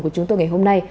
của chúng tôi ngày hôm nay